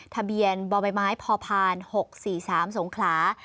ทะเบียนบ่อใบไม้พอพาน๖๔๓สงขลา